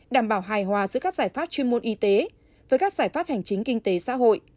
đảm bảo hài hòa giữa các giải pháp chuyên môn y tế với các giải pháp hành chính kinh tế xã hội